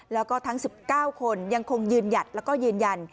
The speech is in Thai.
แล้วก็ทั้ง๑๙คนยังคงยืนหยัดแล้วก็ยืนยัน